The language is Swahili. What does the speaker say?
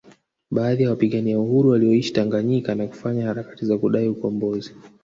Baadhi ya wapigania uhuru walioishi Tanganyika na kufanya harakati za kudai ukumbozi